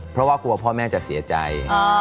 เพราะว่ากลัวพ่อแม่จะเสียใจ